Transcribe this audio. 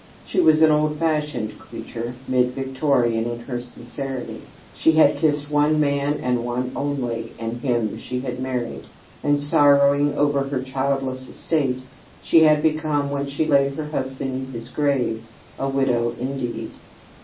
She was an old fashioned creature, mid Victorian in her sincerity. She had kissed one man and one only, and him had she married, and sorrowing over her childless estate she had become, when she laid her husband in his grave, "a widow indeed."